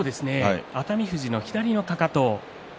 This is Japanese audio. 熱海富士の左のかかと。